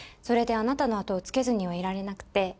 それであなたの後をつけずにはいられなくて。